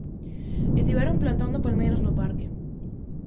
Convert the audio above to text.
Estiveron plantando palmeiras no parque.